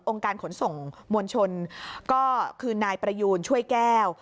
การขนส่งมวลชนก็คือนายประยูนช่วยแก้ว